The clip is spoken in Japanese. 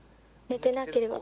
「寝てなければ」？